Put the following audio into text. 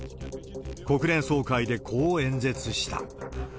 国連総会でこう演説した。